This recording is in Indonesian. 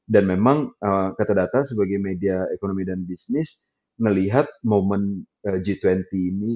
dan memang kata data sebagai media ekonomi dan bisnis melihat momen g dua puluh ini